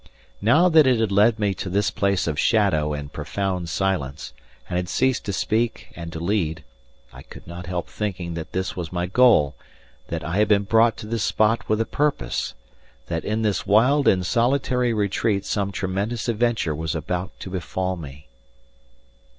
Now that it had led me to this place of shadow and profound silence and had ceased to speak and to lead, I could not help thinking that this was my goal, that I had been brought to this spot with a purpose, that in this wild and solitary retreat some tremendous adventure was about to befall me.